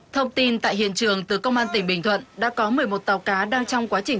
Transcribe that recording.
thông tin tại hiện trường từ công an tỉnh bình thuận đã có một mươi một tàu cá đang trong quá trình